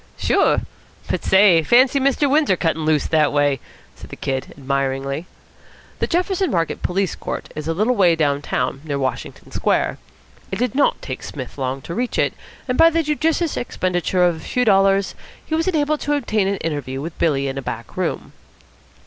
"Sure. But say, fancy Mr. Windsor cuttin' loose that way!" said the Kid admiringly. The Jefferson Market Police Court is a little way down town, near Washington Square. It did not take Psmith long to reach it, and by the judicious expenditure of a few dollars he was enabled to obtain an interview with Billy in a back room.